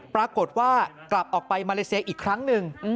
ปรากฏว่ากลับออกไปมาเลเซียอีกครั้งหนึ่ง